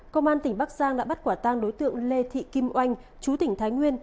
công an tỉnh bắc giang đã bắt quả tang đối tượng lê thị kim oanh chú tỉnh thái nguyên